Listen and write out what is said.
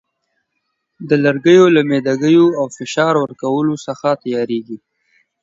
د لرګیو له میده ګیو او فشار ورکولو څخه تیاریږي.